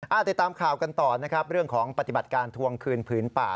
ติดตามข่าวกันต่อนะครับเรื่องของปฏิบัติการทวงคืนผืนป่า